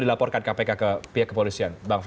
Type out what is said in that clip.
dilaporkan kpk ke pihak kepolisian